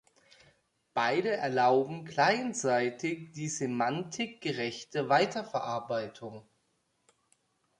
Beide erlauben clientseitig die semantik-gerechte Weiterverarbeitung.